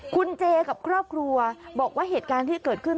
คุณเจกับครอบครัวบอกว่าเหตุการณ์ที่เกิดขึ้น